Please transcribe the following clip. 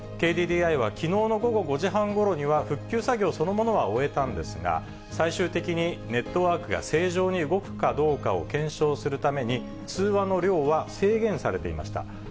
ＫＤＤＩは、きのうの午後５時半ごろには復旧作業そのものは終えたんですが、最終的にネットワークが正常に動くかどうかを検証するために、通話の量は制限されていました。